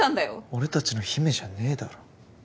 俺たちの姫じゃねぇだろ。